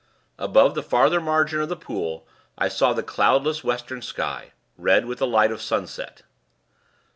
Above the farther margin of the pool I saw the cloudless western sky, red with the light of sunset.